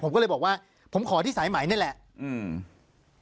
ผมก็เลยบอกว่าผมขอที่สายใหม่นี่แหละอืม